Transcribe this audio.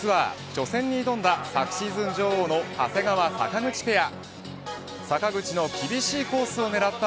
初戦に挑んだ昨シーズン女王の長谷川・坂口ペア。